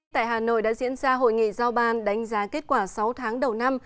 tại hà nội đã diễn ra hội nghị giao ban đánh giá kết quả sáu tháng đầu năm